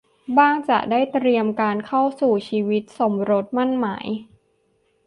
บ้างจะได้เตรียมการเข้าสู่ชีวิตสมรสหมั้นหมาย